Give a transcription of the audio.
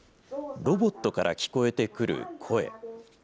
ロボットから聞こえてくる声。